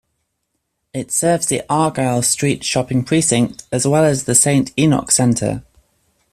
It serves the Argyle Street shopping precinct as well as the Saint Enoch Centre.